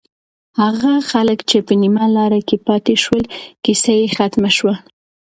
هغه خلک چې په نیمه لاره کې پاتې شول، کیسه یې ختمه شوه.